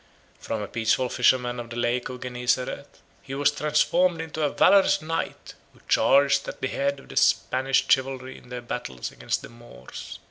From a peaceful fisherman of the Lake of Gennesareth, he was transformed into a valorous knight, who charged at the head of the Spanish chivalry in their battles against the Moors.